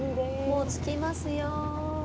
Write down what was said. もう着きますよ。